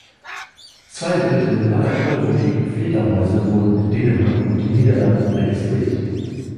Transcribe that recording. Zwei Drittel aller tollwütigen Fledermäuse wurden in Dänemark und den Niederlanden registriert.